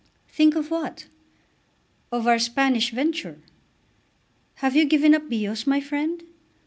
"Think of what?" "Of our Spanish venture." "Have you given up Bios, my friend?"